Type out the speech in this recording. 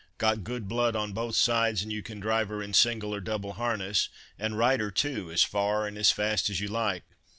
Got good blood on both sides, and you can drive her in single or double harness, and ride her too, as far and as fast as you like.